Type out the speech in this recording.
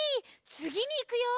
つぎにいくよ！